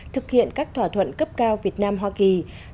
thực hiện các thỏa thuận cấp cao việt nam hoa kỳ